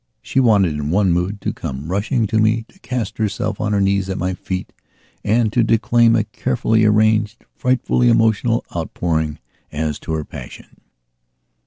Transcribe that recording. She wanted, in one mood, to come rushing to me, to cast herself on her knees at my feet and to declaim a carefully arranged, frightfully emotional, outpouring as to her passion.